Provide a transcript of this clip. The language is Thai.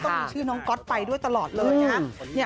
ก็มีชื่อน้องก๊อตไปด้วยตลอดเลย